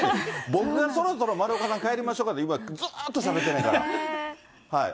僕が、そろそろ丸岡さん、帰りましょうかって言うまでずっとしゃべってるから。